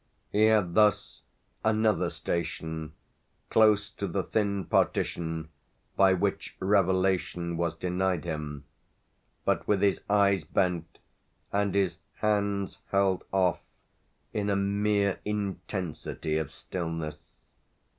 He had thus another station, close to the thin partition by which revelation was denied him; but with his eyes bent and his hands held off in a mere intensity of stillness.